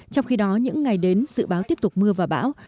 trong khi đó những ngày đến dự báo tiếp tục mưa và bão